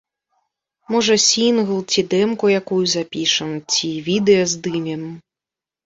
Можа, сінгл ці дэмку якую запішам, ці відэа здымем.